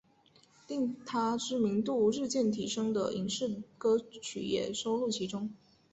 令她知名度日渐提升的影视歌曲也收录其中。